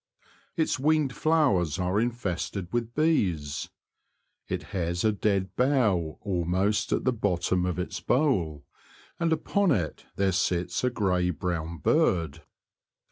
Its winged flowers are infested with bees. It has a dead bough al most at the bot tom of its bole, and upon it there sits a grey brown bird.